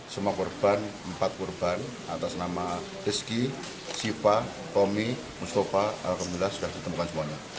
semua korban empat korban atas nama rizky siva tommy mustafa alhamdulillah sudah ditemukan semuanya